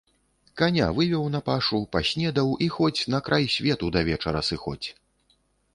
Каня вывеў на пашу, паснедаў і хоць на край свету да вечара сыходзь.